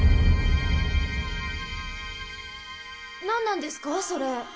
何なんですかそれ？